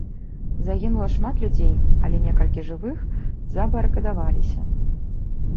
Загінула шмат людзей, але некалькі жывых забарыкадаваліся.